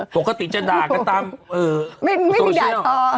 ปกติจะด่ากันตามโทรเชียร์ไม่มีด่าทอ